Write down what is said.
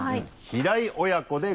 平井親子。